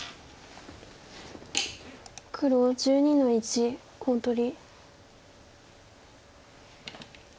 黒１２の一コウ取り。